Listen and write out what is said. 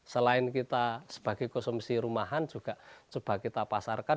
selain kita sebagai konsumsi rumahan juga coba kita pasarkan